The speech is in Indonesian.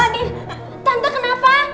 andi tante kenapa